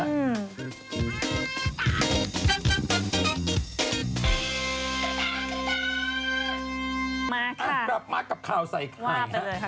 มาค่ะว่าไปเลยค่ะพี่ค่ะอ้ะมากับคาวใส่ไข่